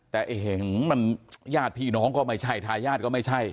แต่เห็นมันญาติพี่น้องก็ไม่ใช่ทายาทก็ไม่ใช่